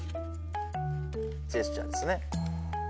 ジェスチャーですね。